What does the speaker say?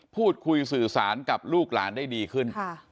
พูดคุยสื่อสารกับลูกหลานได้ดีขึ้น